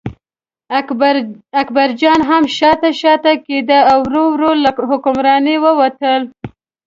اکبرجان هم شاته شاته کېده او ورو ورو له حکمرانۍ ووتل.